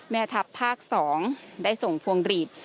แม่ทัพภาค๒ได้ส่งพวงหลีด